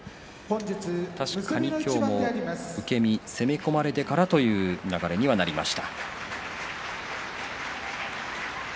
確かに今日も受け身、攻め込まれてからという流れになりました。